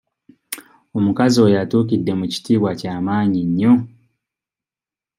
Omukazi oyo atuukidde mu kitiibwa kya maanyi nnyo.